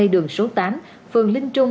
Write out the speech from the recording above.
đường số tám phường linh trung